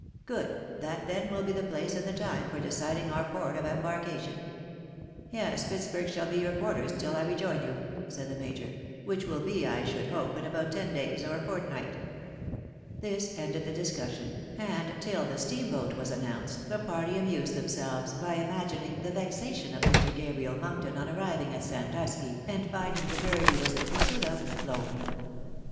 " Good ; that, then, will be the place and the time for deciding our port of embarkation. Yes, Pittsburg shall be your quarters till I rejoin you," said the major, " which will be, I should hope. La about ten days or a fortnight." This ended the discussion ; and till the steamboat was announced the party amused themselves by imagining the vexation of Mr. Gabriel Monkton on arriving at Sandusky, and finding the bird he was in pursuit of ilown.